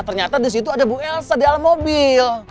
ternyata di situ ada bu elsa di alam mobil